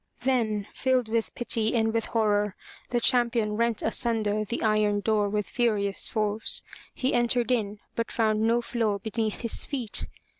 Then, filled with pity and with horror, the champion rent asunder the iron door with furious force. He entered in, but found no floor be neath his feet.